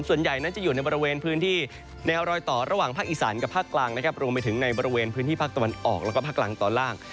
ส่วนใหญ่นั้นจะอยู่ในบริเวณพื้นที่แนวรอยต่อระหว่างภาคอีสานกับภาคกลางนะครับรวมไปถึงในบริเวณพื้นที่ภาคตะวันออกแล้วก็ภาคลังตอนล่าง